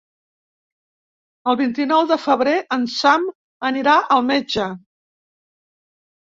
El vint-i-nou de febrer en Sam anirà al metge.